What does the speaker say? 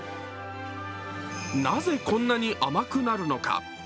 なぜこんなに甘くなるのか。